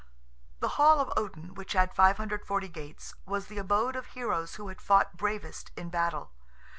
The hall of Odin, which had 540 gates, was the abode of heroes who had fought bravest in battle.